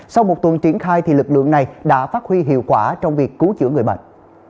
sau một tuần triển khai lực lượng này đã phát huy hiệu quả trong việc cứu chữa người bệnh